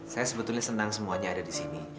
saya sebetulnya senang semuanya ada di sini